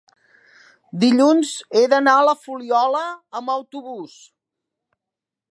dilluns he d'anar a la Fuliola amb autobús.